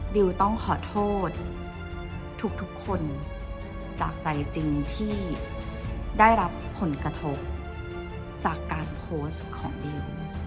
ดิวต้องขอโทษทุกคนจากใจจริงที่ได้รับผลกระทบจากการโพสต์ของดิว